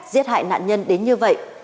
giết hại nạn nhân đến như vậy